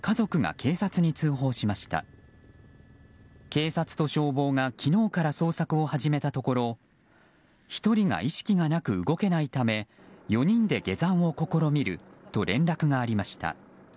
警察と消防が昨日から捜索を始めたところ１人が意識がなく動けないため４人で下山を試みると連絡がありました。